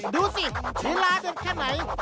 ดูสิลีลาเด็ดแค่ไหน